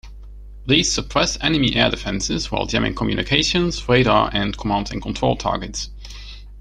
These suppress enemy air defenses while jamming communications, radar and command and control targets.